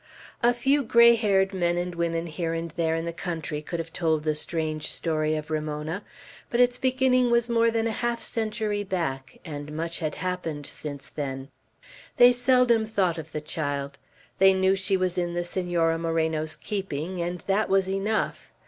A few gray haired men and women here and there in the country could have told the strange story of Ramona; but its beginning was more than a half century back, and much had happened since then. They seldom thought of the child. They knew she was in the Senora Moreno's keeping, and that was enough.